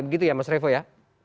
begitu ya mas revo ya